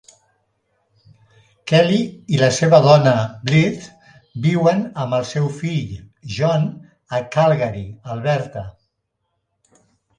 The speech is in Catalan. Kelly i la seva dona, Blythe, viuen amb el seu fill, John, a Calgary (Alberta).